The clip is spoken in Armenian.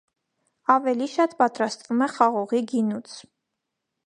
Ավելի շատ պատրաստվում է խաղողի գինուց։